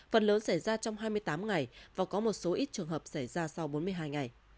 phần lớn xảy ra trong hai mươi tám ngày và có một số ít trường hợp xảy ra sau bốn mươi hai ngày